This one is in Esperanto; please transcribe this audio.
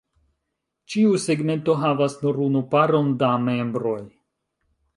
Ĉiu segmento havas nur unu paron da membroj.